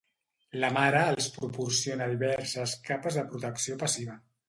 La mare els proporciona diverses capes de protecció passiva.